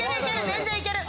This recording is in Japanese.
全然行ける。